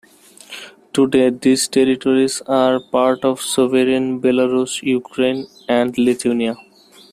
Today, these territories are part of sovereign Belarus, Ukraine, and Lithuania.